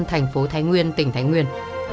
thành phố thái nguyên tỉnh thái nguyên